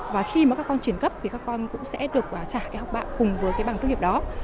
và khi mà các con chuyển cấp thì các con cũng sẽ được trả cái học bạ cùng với cái bằng tốt nghiệp đó